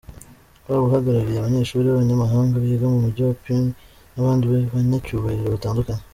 Haaba uhagarariye Abanyeshuri b’Abanyamahanga biga mu mujyi wa Pune, n’abandi banyacyubahiro batandukanye.